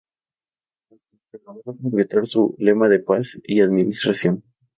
Roca, que logró concretar su lema de "paz y administración".